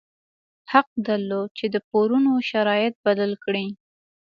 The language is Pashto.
حق درلود چې د پورونو شرایط بدل کړي.